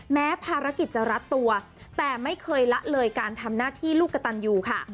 แม้ภารกิจจะรัดตัวแต่ไม่เคยละเลยการทำหน้าที่ลูกกระตันยูค่ะ